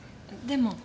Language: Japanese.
でも。